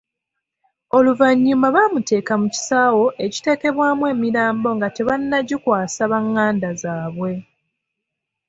Oluvannyuma bamuteeke mu kisaawo ekiteekebwamu emirambo nga tebannagikwasa banganda zaabwe.